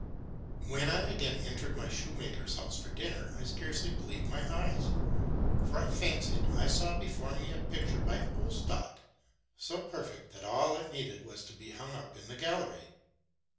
When I again entered my shoemaker's house for dinner, I scarcely believed my eyes; for I fancied I saw before me a _ picture by Ostade, so perfect that all it needed was to be hung up in the gallery.